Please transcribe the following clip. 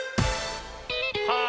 はあ！